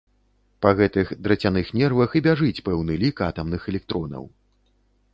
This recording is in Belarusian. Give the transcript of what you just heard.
Па гэтых драцяных нервах і бяжыць пэўны лік атамных электронаў.